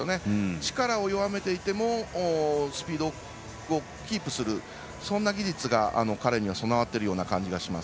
力を弱めていてもスピードをキープする、そんな技術が彼には備わっている気がします。